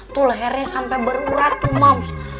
tuh lehernya sampe berurat tuh mams